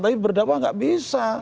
tapi berdakwah tidak bisa